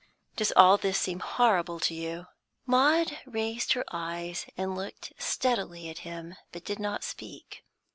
Does all this seem horrible to you?" Maud raised her eyes, and looked steadily at him, but did not speak.